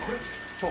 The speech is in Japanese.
そう。